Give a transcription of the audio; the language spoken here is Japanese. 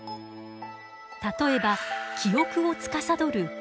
例えば記憶をつかさどる海馬。